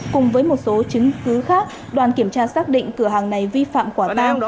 cùng với một số chứng cứ khác đoàn kiểm tra xác định cửa hàng này vi phạm quả tang